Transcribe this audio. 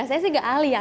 saya sih gak ahli ya